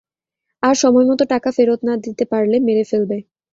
আর সময়মতো টাকা ফেরত না দিতে পারলে, মেরে ফেলবে।